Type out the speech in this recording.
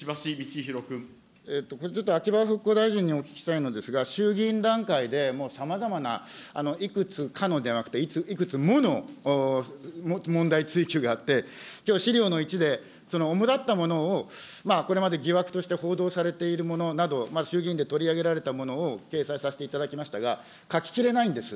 これちょっと、秋葉復興大臣にお聞きしたいのですが、衆議院段階で、もうさまざまないくつかのじゃなくて、いくつもの問題追及があって、きょう、資料の１で、主だったものをこれまで疑惑として報道されているものなど、衆議院で取り上げられたものを掲載させていただきましたが、書ききれないんです。